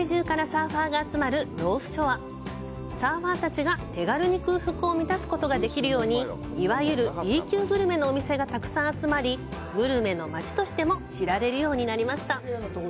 サーファーたちが手軽に空腹を満たすことができるようにいわゆるＢ級グルメのお店がたくさん集まり、グルメの街としても知られるようになりました。